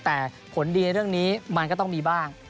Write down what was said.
แต่ผลดีเรื่องนี้มันก็ต้องมีบ้าง